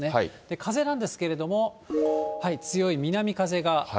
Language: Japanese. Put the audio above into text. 風なんですけれども、強い南風が。